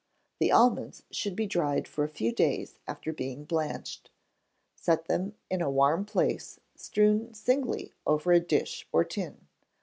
The almonds should be dried for a few days after being blanched. Set them in a warm place, strewn singly over a dish or tin.